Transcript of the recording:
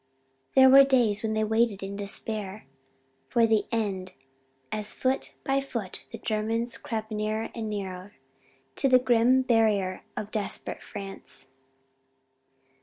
There were days when they waited in despair for the end as foot by foot the Germans crept nearer and nearer to the grim barrier of desperate France.